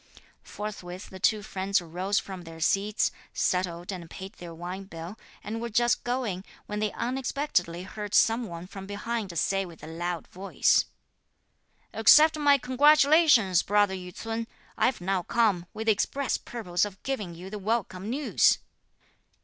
Forthwith the two friends rose from their seats, settled and paid their wine bill, and were just going, when they unexpectedly heard some one from behind say with a loud voice: "Accept my congratulations, Brother Yü ts'un; I've now come, with the express purpose of giving you the welcome news!"